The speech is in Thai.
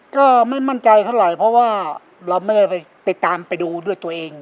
ก็ไม่มั่นใจเท่าไหร่เพราะว่าเราไม่ได้ไปตามไปดูด้วยตัวเอง